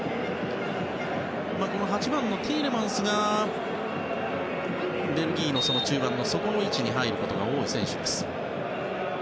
８番のティーレマンスがベルギーの中盤の底の位置に入ることが多い選手です。